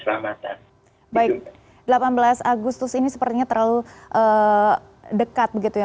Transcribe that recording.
baik delapan belas agustus ini sepertinya terlalu dekat begitu ya